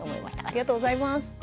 ありがとうございます。